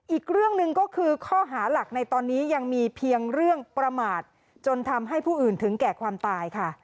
อีกเรื่องหนึ่งก็คือข้อหาหลักในตอนนี้ยังมีเพียงเรื่องประมาทจนทำให้ผู้อื่นถึงแก่ความตายค่ะ